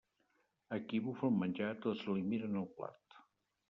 A qui bufa el menjar, tots li miren el plat.